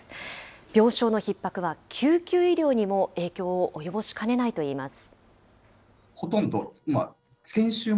病床のひっ迫は救急医療にも影響を及ぼしかねないといいます。